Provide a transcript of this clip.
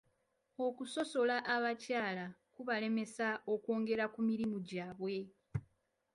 Okusosola abakyala kubalemesa okwongera ku mirimu gyabwe